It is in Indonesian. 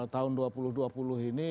tahun dua ribu dua puluh ini